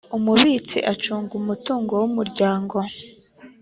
umubitsi acunga umutungo w’umuryango